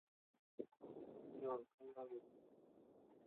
হেই, রাহুল খান্না কাউকে ভয় পায় না।